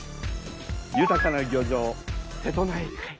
ゆたかな漁場瀬戸内海。